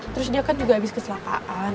terus dia kan juga abis keselakaan